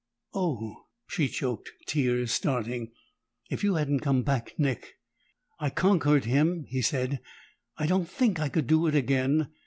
"Oh!" she choked, tears starting. "If you hadn't come back, Nick!" "I conquered him," he said. "I don't think I could do it again.